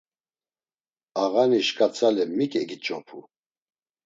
Ağani şkatzale mik egiç̌opu?